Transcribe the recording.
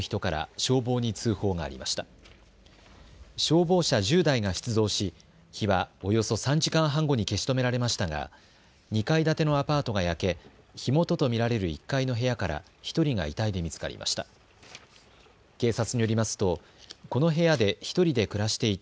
消防車１０台が出動し火はおよそ３時間半後に消し止められましたが２階建てのアパートが焼け火元と見られる１階の部屋から１人が遺体で見つかりました。